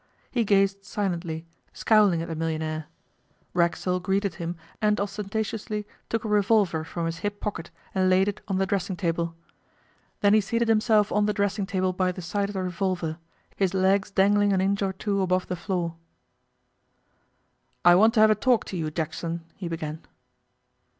He gazed silently, scowling at the millionaire. Racksole greeted him and ostentatiously took a revolver from his hip pocket and laid it on the dressing table. Then he seated himself on the dressing table by the side of the revolver, his legs dangling an inch or two above the floor. 'I want to have a talk to you, Jackson,' he began.